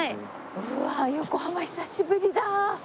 うわっ横浜久しぶりだ！